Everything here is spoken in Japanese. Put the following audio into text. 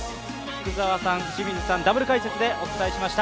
福澤さん、清水さん、ダブル解説でお伝えしました。